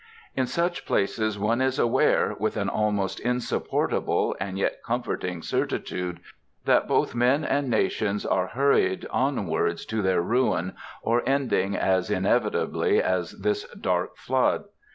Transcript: In such places, one is aware, with an almost insupportable and yet comforting certitude, that both men and nations are hurried onwards to their ruin or ending as inevitably as this dark flood.